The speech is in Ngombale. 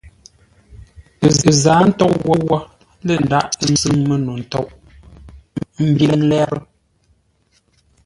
Ə́ zǎa ntôʼ pə́ wó lə̂ ndághʼ sʉ́ŋ məno ntôʼ, ə́ mbíŋ lérə́.